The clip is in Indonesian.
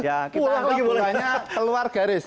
ya kita buah buahnya keluar garis